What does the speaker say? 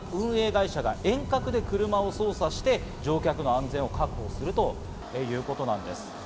緊急時には運営会社が遠隔で車を操作して、乗客の安全を確保するということなんです。